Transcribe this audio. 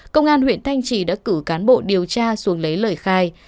công an huyện thanh trì đã cử cán bộ điều tra xuống lấy lời khai